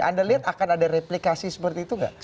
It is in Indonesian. anda lihat akan ada replikasi seperti itu nggak